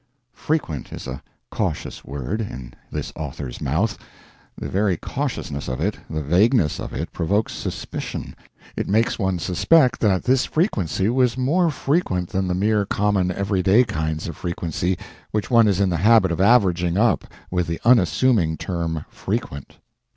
"Frequent" is a cautious word, in this author's mouth; the very cautiousness of it, the vagueness of it, provokes suspicion; it makes one suspect that this frequency was more frequent than the mere common everyday kinds of frequency which one is in the habit of averaging up with the unassuming term "frequent."